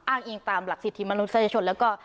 อ้างอิงตามหลักสิทธิมนุษยชนแล้วก็